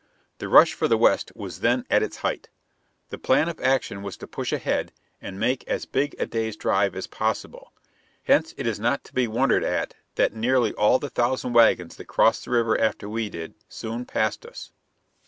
The rush for the West was then at its height. The plan of action was to push ahead and make as big a day's drive as possible; hence it is not to be wondered at that nearly all the thousand wagons that crossed the river after we did soon passed us.